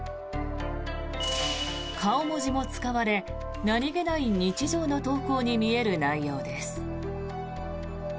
顔文字も使われ何げない日常の投稿に見える内容です。